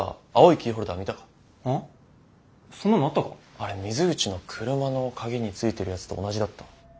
あれ水口の車の鍵についてるやつと同じだった。